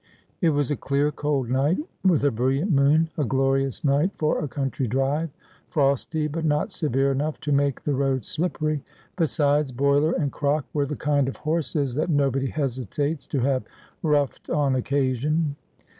It was a clear cold night, with a brilliant moon — a glorious night for a country drive — frosty, but not severe enough to make the roads slippery ; besides. Boiler and Crock were the kind of horses that nobody hesitates to have roughed on occasion.